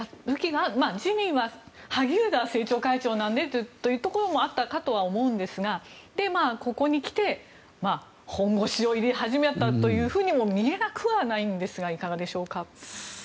自民は萩生田光一政調会長というところもあったかと思うんですがここにきて本腰を入れ始めたというふうにも見えなくはないんですがいかがでしょうか。